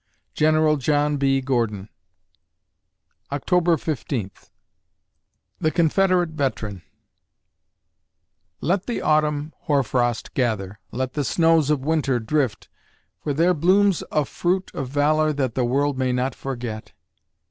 GEN. JOHN B. GORDON October Fifteenth THE CONFEDERATE VETERAN Let the autumn hoarfrost gather, Let the snows of winter drift, For there blooms a fruit of valor that The world may not forget.